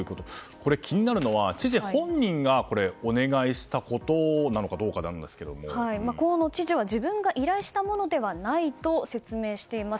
これ、気になるのは知事本人がお願いしたことなのか河野知事は自分が依頼したものではないと説明しています。